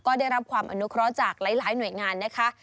ก็ได้รับความอนุเคราะห์จากหลายหน่วยงานนะคะ